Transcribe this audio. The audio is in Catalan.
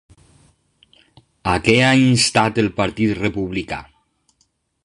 A què ha instat el partit republicà?